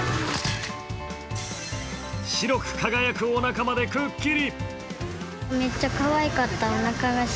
白く輝くおなかまでくっきり！